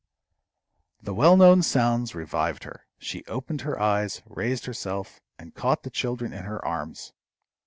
The well known sounds revived her. She opened her eyes, raised herself, and caught the children in her arms.